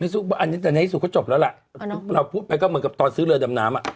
อันนี้แต่ในที่สุดก็จบแล้วล่ะเราพูดไปก็เหมือนกับตอนซื้อเรือดำน้ำอ่ะ